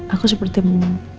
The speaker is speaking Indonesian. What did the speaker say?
aku seperti mu